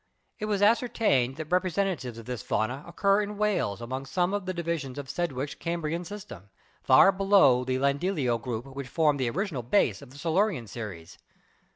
It was ascertained that representa tives of this fauna occur in Wales among some of the divi sions of Sedgwick's Cambrian system, far below the Llandeilo group which formed the original base of the Si lurian series.